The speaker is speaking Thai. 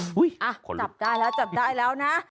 จับได้แล้วจับได้แล้วนะ